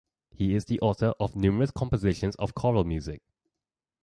He is the author of numerous compositions of choral music.